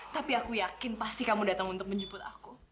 tapi aku yakin pasti kamu datang untuk menjemput aku